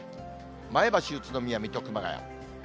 前橋、宇都宮、水戸、熊谷。